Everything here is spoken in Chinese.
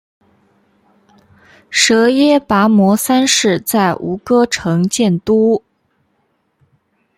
阇耶跋摩三世在吴哥城建都。